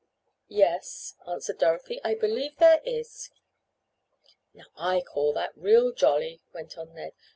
"Yes," answered Dorothy. "I believe there is." "Now I call that real jolly," went on Ned.